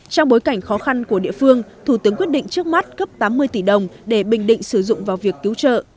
trong bối cảnh khó khăn của địa phương thủ tướng quyết định trước mắt cấp tám mươi tỷ đồng để bình định sử dụng vào việc cứu trợ